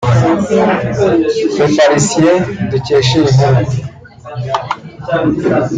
Leparisien dukesha iyi nkuru